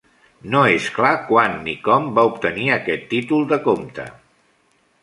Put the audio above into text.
No és clar quan ni com va obtenir aquest títol de comte.